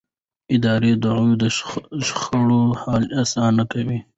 اداري دعوې د شخړو حل اسانه کوي.